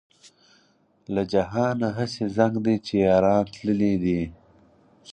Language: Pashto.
له جهانه هسې زنګ دی چې یاران تللي دي.